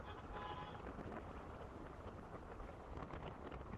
তিনি এতে যোগ দেন।